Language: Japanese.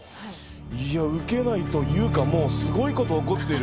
いやうけないというかもうすごいこと起こってる！